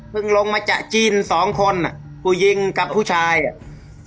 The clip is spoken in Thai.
ลงมาจากจีนสองคนอ่ะผู้หญิงกับผู้ชายอ่ะ